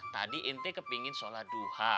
tadi ntar kepengen sholat duha